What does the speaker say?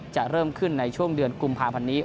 จะเริ่มขึ้นในช่วงเดือนกุมภาพันธ์นี้